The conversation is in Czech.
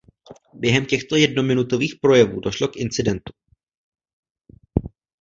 Během těchto jednominutových projevů došlo k incidentu.